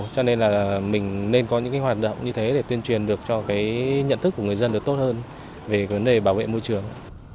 cho nên là mình nên có những cái hoạt động như thế để tuyên truyền được cho cái nhận thức của người dân được tốt hơn về vấn đề bảo vệ môi trường